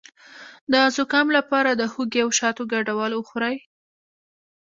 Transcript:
د زکام لپاره د هوږې او شاتو ګډول وخورئ